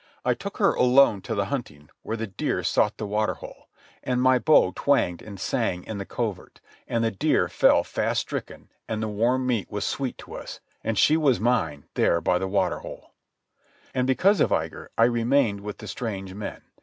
I took her alone to the hunting, where the deer sought the water hole. And my bow twanged and sang in the covert, and the deer fell fast stricken, and the warm meat was sweet to us, and she was mine there by the water hole. And because of Igar I remained with the strange men.